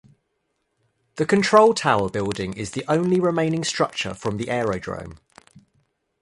The control tower building is the only remaining structure from the aerodrome.